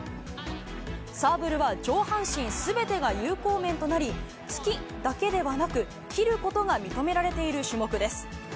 サーブルは上半身すべてが有効面となり、突きだけではなく、切ることが認められている種目です。